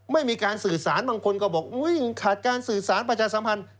ไม่มีการสื่อสารบางคนก็บอกอุ้ยขาดการสื่อสารประชาสัมพันธ์